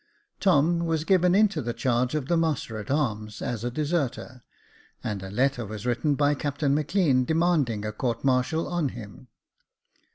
Tom was given into the charge of the master at arms, as a deserter, and a letter was written by Captain Maclean, demanding a court martial on him.